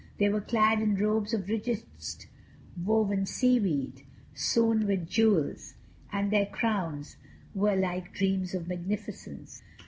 They were clad in robes of richest woven seaweed, sewn with jewels, and their crowns were like dreams of magnificence.